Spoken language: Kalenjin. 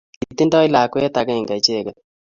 Kitindoi lakwet akenge icheget.